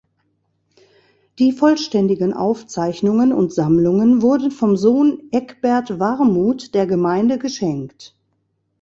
Die vollständigen Aufzeichnungen und Sammlungen wurden vom Sohn Ekbert Warmuth der Gemeinde geschenkt.